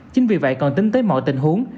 chính vì vậy còn tính tới mọi tình huống